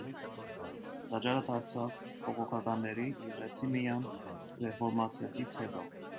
Տաճարը դարձավ բողոքականների եկեղեցի միայն ռեֆորմացիայից հետո։